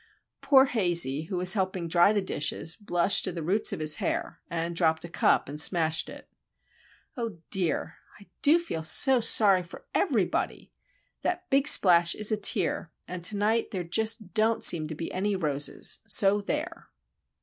Poor Hazey, who was helping dry the dishes, blushed to the roots of his hair, and dropped a cup and smashed it. Oh, dear! I do feel so sorry for everybody! That big splash is a tear;—and to night there just don't seem to be any roses, so there!